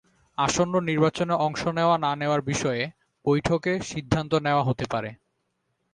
আসন্ন নির্বাচনে অংশ নেওয়া না-নেওয়ার বিষয়ে বৈঠকে সিদ্ধান্ত নেওয়া হতে পারে।